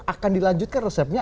akan dilanjutkan resepnya